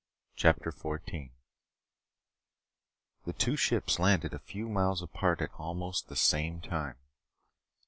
CHAPTER 14 The two ships landed a few miles apart at almost the same time.